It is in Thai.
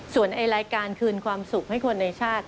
ส่วนในรายการคืนความสุขให้คนในชาติ